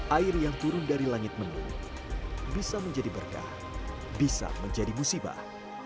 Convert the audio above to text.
air yang turun dari langit menu bisa menjadi berkah bisa menjadi musibah